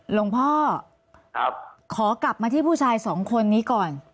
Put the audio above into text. หลวงพ่อขอกลับมาที่ผู้ชายสองคนนี้ก่อน